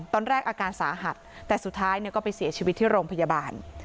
อาการสาหัสแต่สุดท้ายก็ไปเสียชีวิตที่โรงพยาบาล